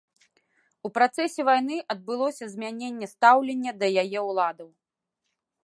У працэсе вайны адбылося змяненне стаўлення да яе ўладаў.